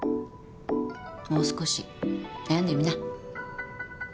もう少し悩んでみな。